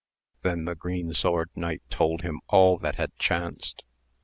Then the Green Sword Eaiight told him all that had chanced.